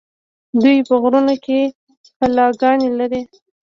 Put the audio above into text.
دوی په غرونو کې کلاګانې لرلې